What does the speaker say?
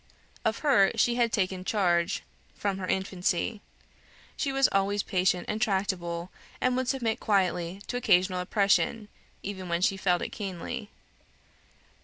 Of her she had taken charge from her infancy; she was always patient and tractable, and would submit quietly to occasional oppression, even when she felt it keenly.